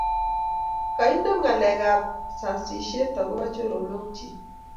koinem ngalek ab sasishet akobo choronok chiik